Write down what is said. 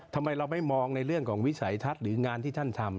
ทำไมเราไม่มองในเรื่องของวิสัยทัศน์หรืองานที่ท่านทำ